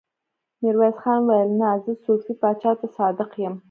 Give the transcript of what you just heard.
ميرويس خان وويل: نه! زه صفوي پاچا ته صادق يم.